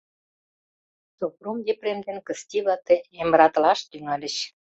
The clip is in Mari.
Сопром Епрем ден Кысти вате эмратылаш тӱҥальыч.